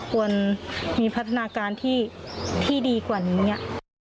ควรมีพัฒนาการที่ดีกว่านี้